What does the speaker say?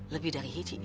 lebih dari itu